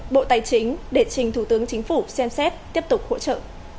bộ tài chính để trình thủ tướng chính phủ xem xét tiếp tục hỗ trợ